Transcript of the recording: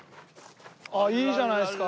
いいじゃないですか！